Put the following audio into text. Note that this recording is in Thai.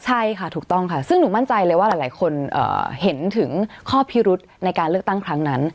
ใช่ค่ะถูกต้องค่ะซึ่งหนูมั่นใจเลยว่าหลายคนเห็นถึงข้อพิรุธในการเลือกตั้งครั้งนั้น